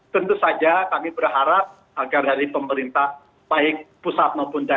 tentu saja kami berharap agar dari pemerintah baik pusat maupun daerah